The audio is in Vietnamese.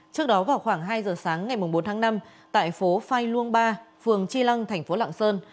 trước đó vào khoảng hai giờ sáng ngày bốn tháng năm tại phố phai luông ba phường tri lăng thành phố lạng sơn